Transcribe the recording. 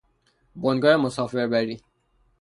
بنگاه مسافر بری